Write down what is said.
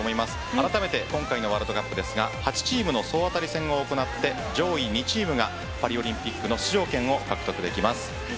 あらためて今回のワールドカップですが８チームの総当たり戦を行って上位２チームがパリオリンピックの出場権を獲得できます。